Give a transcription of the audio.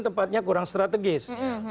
tempatnya kurang strategis